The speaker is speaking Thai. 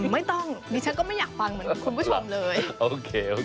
ไม่ต้องดิฉันก็ไม่อยากฟังเหมือนคุณผู้ชมเลยโอเค